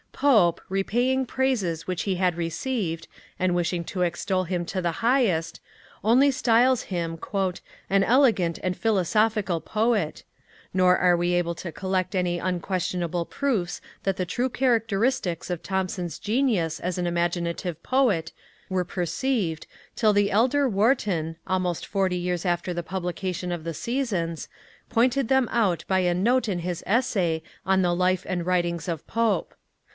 Pope, repaying praises which he had received, and wishing to extol him to the highest, only styles him 'an elegant and philosophical Poet'; nor are we able to collect any unquestionable proofs that the true characteristics of Thomson's genius as an imaginative poet were perceived, till the elder Warton, almost forty years after the publication of the Seasons, pointed them out by a note in his Essay on the Life and Writings of Pope.